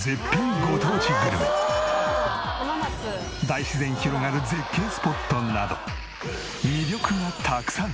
大自然広がる絶景スポットなど魅力がたくさん！